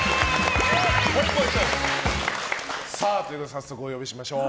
早速お呼びしましょう。